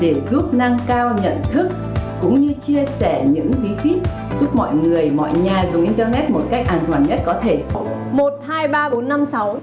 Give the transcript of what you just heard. để giúp nâng cao nhận thức cũng như chia sẻ những bí kíp giúp mọi người mọi nhà dùng internet một cách an toàn nhất có thể